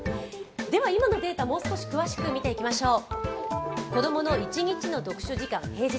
では今のデータ、もう少し詳しく見ていきましょう。